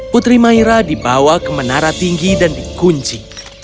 putri maira dibawa ke menara tinggi dan dikunci